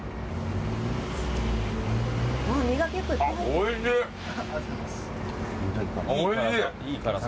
おいしい。